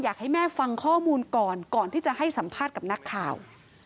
อยากให้แม่ฟังข้อมูลก่อนก่อนที่จะให้สัมภาษณ์กับนักข่าว